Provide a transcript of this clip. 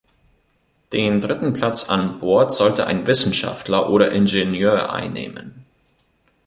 Den dritten Platz an Bord sollte ein Wissenschaftler oder Ingenieur einnehmen.